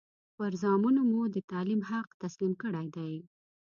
پر زامنو مو د تعلیم حق تسلیم کړی دی.